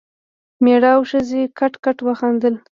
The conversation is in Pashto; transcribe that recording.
مېړه او ښځې کټ کټ وخندل.